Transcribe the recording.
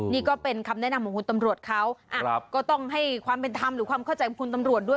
นี่ก็เป็นคำแนะนำของคุณตำรวจเขาก็ต้องให้ความเป็นธรรมหรือความเข้าใจของคุณตำรวจด้วย